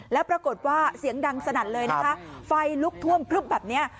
แล้วปรากฏว่าเสียงดังสนั่นเลยนะคะไฟลุกท่วมพลึบแบบนี้